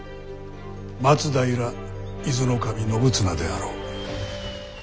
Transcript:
松平伊豆守信綱であろう。